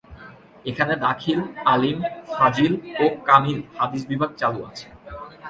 এখানে দাখিল, আলিম, ফাযিল ও কামিল হাদীস বিভাগ চালু আছে।।